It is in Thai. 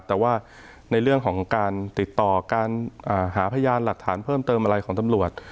แต่ว่าในเรื่องของการติดต่อการหาพยานหลักฐานเพิ่มเติมอะไรของตำรวจ